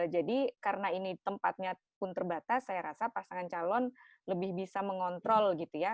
jadi karena ini tempatnya pun terbatas saya rasa pasangan calon lebih bisa mengontrol gitu ya